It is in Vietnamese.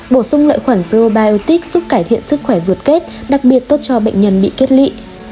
ba bổ sung lợi khoản probiotic giúp cải thiện sức khỏe ruột kết đặc biệt tốt cho bệnh nhân bị kiết lị